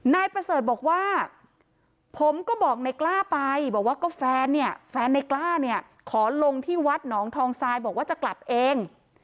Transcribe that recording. นายประเสริฐบอกว่าผมก็บอกในกล้าไปบอกว่าก็แฟนเนี่ยแฟนในกล้าเนี่ยขอลงที่วัดหนองทองทรายบอกว่าจะกลับเอง